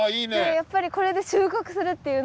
やっぱりこれで収穫するっていうのが。